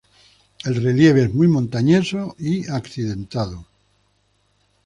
El relieve es muy montañoso y accidentado.